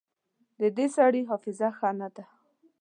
د دې سړي حافظه ښه نه ده